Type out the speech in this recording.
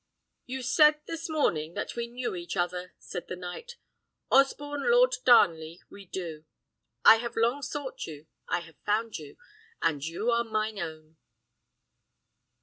"You said this morning that we knew each other," said the knight; "Osborne Lord Darnley, we do; I have long sought you, I have found you, and you are mine own."